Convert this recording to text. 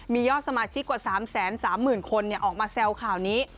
มียอดสมาชิกกว่า๓๓๐๐๐คนออกมาแซวข่าวนี้